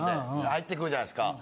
入ってくるじゃないですか。